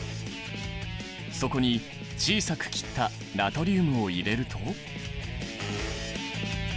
そこに小さく切ったナトリウムを入れると。